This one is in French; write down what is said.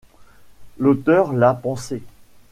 L’auteur l’a pensé.